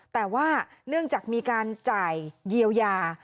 แต่ว่าเนื่องจากมีการจ่ายเยียวยา